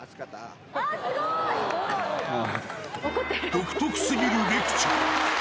独特すぎるレクチャー。